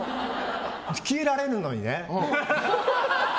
消えられるのにね。